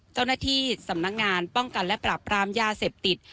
เจ้าหน้าที่สำนักงานป้องกันและปรับปรามยาเสพติด